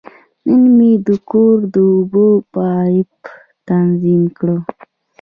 نن مې د کور د اوبو پایپ تنظیم کړ.